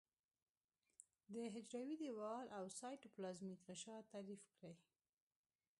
د حجروي دیوال او سایتوپلازمیک غشا تعریف کړي.